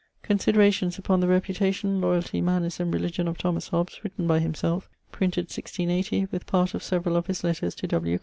Considerations upon the reputation, loyalty, manners, and religion of Thomas Hobbes, written by himselfe, printed 1680, with part of severall of his letters to W.